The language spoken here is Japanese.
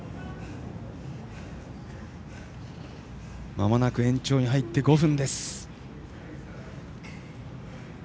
まもなく延長に入って５分。